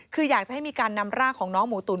คืออยากจะให้มีการนำร่างของน้องหมูตุ๋น